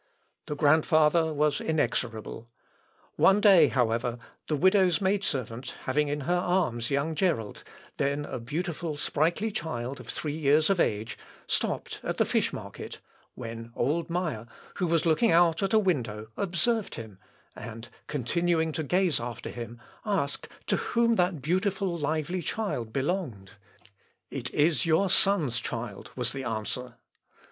The grandfather was inexorable. One day, however, the widow's maid servant having in her arms young Gerold, then a beautiful sprightly child of three years of age, stopped at the fish market, when old Meyer, who was looking out at a window, observed him, and, continuing to gaze after him, asked to whom that beautiful lively child belonged. "It is your son's child," was the answer.